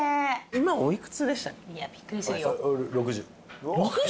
今お幾つでしたっけ？